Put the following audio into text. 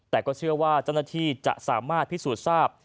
แต่ก็เชื่อว่าเจ้าหน้าที่จะสามารถพิสูจน์ทราบ